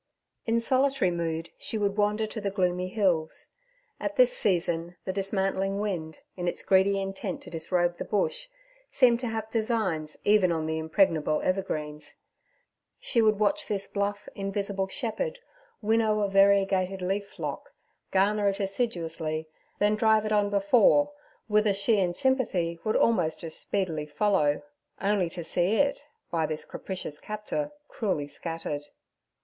In solitary mood she would wander to the gloomy hills. At this season the dismantling wind, in its greedy intent to disrobe the Bush, seemed to have designs even on the impregnable evergreens. She would watch this bluff, invisible shepherd winnow a variegated leaf flock, garner it assiduously, then drive it on before, whither she in sympathy would almost as speedily follow, only to see it, by this capricious captor, cruelly scattered.